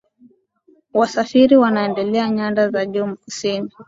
wasafiri wanaendao nyanda za juu kusini